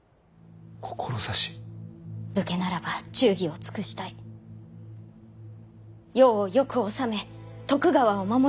武家ならば忠義を尽くしたい世をよく治め徳川を守りたい。